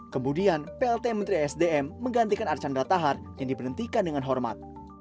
kemudian plt menteri sdm menggantikan archandra tahar yang diberhentikan dengan hormat